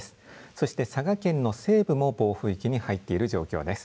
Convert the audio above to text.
そして佐賀県の西部も暴風域に入っている状況です。